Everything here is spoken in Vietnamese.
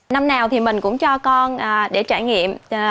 năm nào thì mình cũng cho con để trải nghiệm